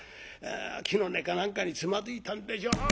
木の根か何かにつまずいたんでしょう。